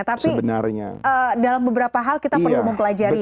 tapi dalam beberapa hal kita perlu mempelajari